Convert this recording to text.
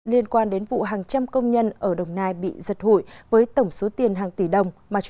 liên quan đến vụ hàng trăm công nhân ở đồng nai bị giật hụi với tổng số tiền hàng tỷ đồng